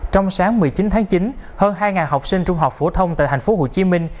trong sáng một mươi chín tháng chín hơn hai học sinh trung học phổ thông tại thành phố hồ chí minh